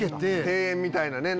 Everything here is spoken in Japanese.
庭園みたいなね！